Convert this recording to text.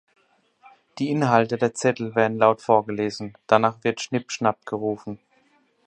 Die Inhalte der Zettel werden laut vorgelesen, danach wird "Schnipp-Schnapp" gerufen.